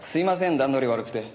段取り悪くて。